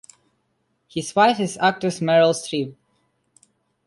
His wife is actress Meryl Streep.